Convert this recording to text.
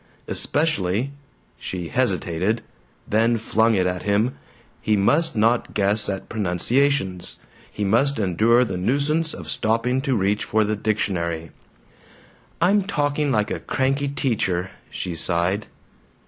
Especially she hesitated, then flung it at him he must not guess at pronunciations; he must endure the nuisance of stopping to reach for the dictionary. "I'm talking like a cranky teacher," she sighed.